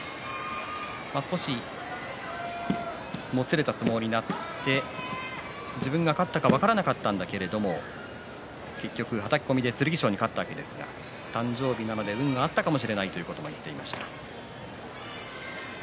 少しもつれた相撲になって自分が勝ったか分からなかったんだけれども結局、はたき込みで剣翔に勝ったわけですが誕生日なので運があったのかもしれないと言っていました。